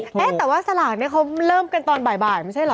เอ๊ะแต่ว่าสลากเนี่ยเขาเริ่มกันตอนบ่ายไม่ใช่เหรอ